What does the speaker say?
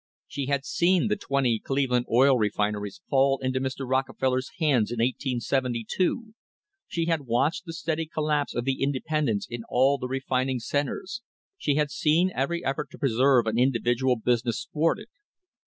She had seen the twenty Cleveland refineries fall into Mr. Rockefeller's hands in 1872. She had watched the steady collapse of the independents in all the refining centres. She had seen every effort to preserve an individual business thwarted.